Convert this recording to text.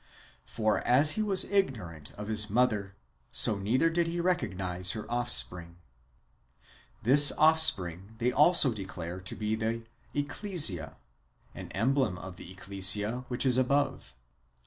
For, as he was ignorant of his mother, so neither did he recognise her offspring. This [offspring] they also declare to be the Ecclesia, an emblem of the Ecclesia which is above.